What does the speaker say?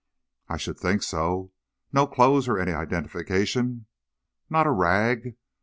"I should think so. No clothes or any identification?" "Not a rag.